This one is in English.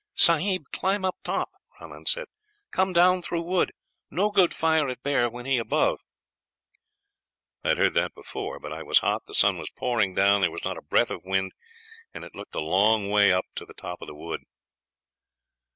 "'Sahib, climb up top,' Rahman said; 'come down through wood; no good fire at bear when he above.' "I had heard that before; but I was hot, the sun was pouring down, there was not a breath of wind, and it looked a long way up to the top of the wood.